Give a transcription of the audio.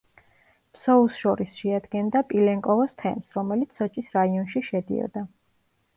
ფსოუს შორის შეადგენდა პილენკოვოს თემს, რომელიც სოჭის რაიონში შედიოდა.